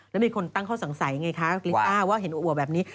แล้วมีคนตั้งข้อสงสัยไงคะลิต้าว่าเห็นอัวแบบนี้